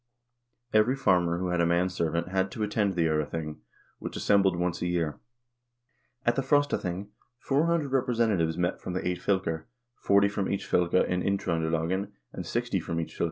Every farmer who had a manservant had to attend the 0rething, which assembled once a year. At the Frostathing 400 representatives met from the eight fylker, forty from each fylke in Indtr0ndelagen, and sixty from each fylke in Uttr0ndelagen.